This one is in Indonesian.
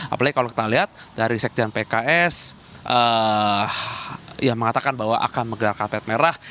apalagi kalau kita lihat dari sekjen pks yang mengatakan bahwa akan menggelar karpet merah